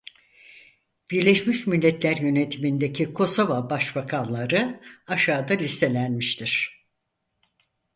Birleşmiş Milletler yönetimindeki kosova başbakanları aşağıda listelenmiştir.